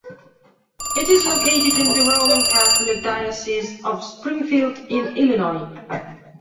It is located in the Roman Catholic Diocese of Springfield in Illinois.